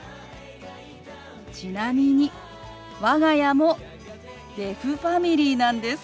ちなみに我が家もデフファミリーなんです。